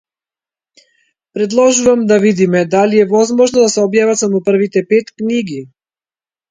Предложувам да видиме дали е возможно да се објават само првите пет книги.